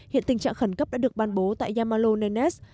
hiện tình trạng khẩn cấp đã được ban bố tại yamalo nenets